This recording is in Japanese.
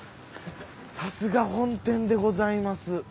さすが本店でございます。